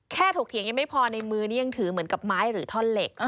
ถกเถียงยังไม่พอในมือนี้ยังถือเหมือนกับไม้หรือท่อนเหล็ก